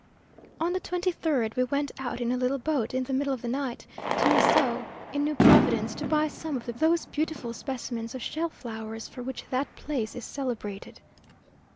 On the twenty third we went out in a little boat, in the middle of the night, to Nassau, in New Providence, to buy some of those beautiful specimens of shell flowers, for which that place is celebrated.